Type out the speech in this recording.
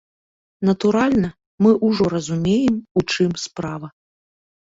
Натуральна, мы ўжо разумеем, у чым справа.